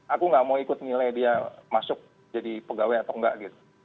aku gak mau ikut nilai dia masuk jadi pegawai atau enggak gitu